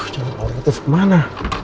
jalan kawasan tv kemana